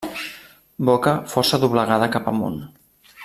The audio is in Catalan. Boca força doblegada cap amunt.